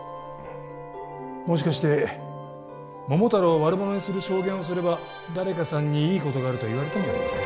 もしかして桃太郎を悪者にする証言をすれば誰かさんに「いいことがある」と言われたんじゃありませんか？